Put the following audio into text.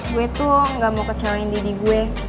gue tuh gak mau kecewain diri gue